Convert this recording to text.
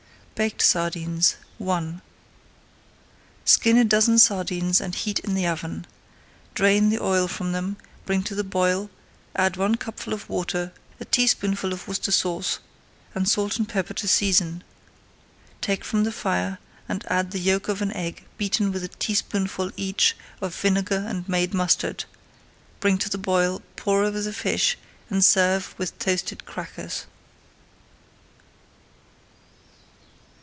BAKED SARDINES I Skin a dozen sardines and heat in the oven. Drain the oil from them, bring to the boil, add one cupful of water, a teaspoonful of Worcestershire Sauce, and salt and pepper to season. Take from the fire, add the yolk of an egg beaten with a teaspoonful each of vinegar and made mustard, bring to the boil, pour over the fish, and serve with toasted crackers.